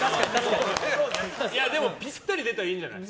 でも、ピッタリが出たらいいんじゃない？